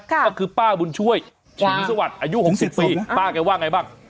ก็คือป้าบุญช่วยศรีสวัสดิ์อายุ๖๐ปีป้าแกว่าไงบ้าง